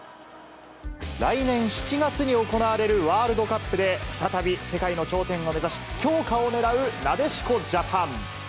来年７月に行われるワールドカップで、再び世界の頂点を目指し、強化をねらうなでしこジャパン。